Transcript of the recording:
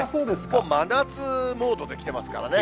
もう真夏モードで来てますからね。